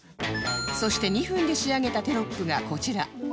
そして２分で仕上げたテロップがこちら